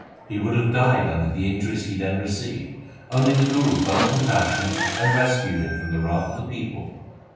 He would have died under the injuries he then received, only the Guru felt compassion and rescued him from the wrath of the people.